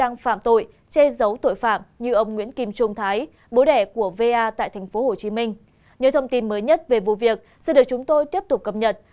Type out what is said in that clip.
nhớ thông tin mới nhất về vụ việc sẽ được chúng tôi tiếp tục cập nhật